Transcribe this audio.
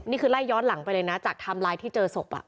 นี่คือไล่ย้อนหลังไปเลยนะจากไทม์ไลน์ที่เจอศพ